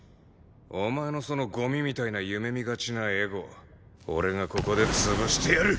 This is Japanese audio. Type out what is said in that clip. お前のそのゴミみたいな夢見がちなエゴ俺がここで潰してやる！